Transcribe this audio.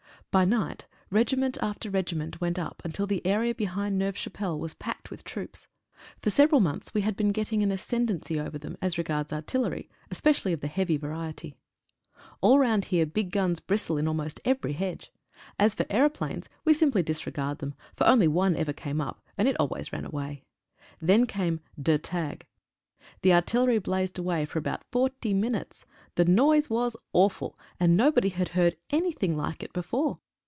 By right regiment after regiment went up until the area behind Neuve Chapelle was packed with troops. For several months we had been getting an ascendency over them as regards artillery, especially of the heavy variety. All round here big guns bristle almost in every hedge. As for aeroplanes we simply disregard them, for only one ever came up, and it always ran away. Then came "Der Tag." The artillery blazed away for about 40 minutes. The noise was awful, and nobody had heard anything like it before.